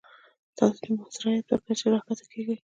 تاسو د محض رعیت تر کچې راښکته کیږئ.